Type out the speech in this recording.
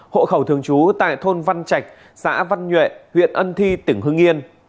hội khẩu thường chú tại thôn văn trạch xã văn nhuệ huyện ân thi tỉnh hưng yên